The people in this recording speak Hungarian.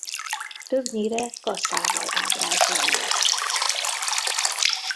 Többnyire kaszával ábrázolják.